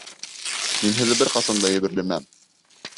Мин һеҙҙе бер ҡасан да йәберләмәм.